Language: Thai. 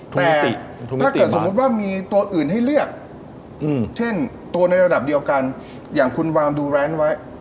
ปกติถ้าเกิดสมมุติว่ามีตัวอื่นให้เลือกเช่นตัวในระดับเดียวกันอย่างคุณวางดูแรนด์ไว้